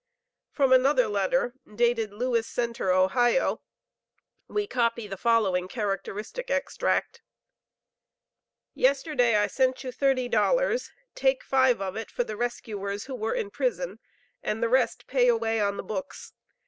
From another letter dated Lewis Centre, Ohio, we copy the following characteristic extract: "Yesterday I sent you thirty dollars. Take five of it for the rescuers (who were in prison), and the rest pay away on the books.